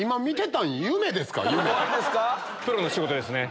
プロの仕事ですね。